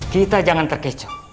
kita jangan terkecoh